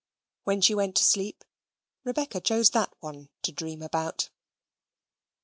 When she went to sleep, Rebecca chose that one to dream about.